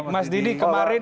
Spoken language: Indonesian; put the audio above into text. mas didi kemarin